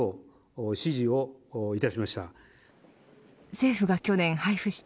政府が去年配布した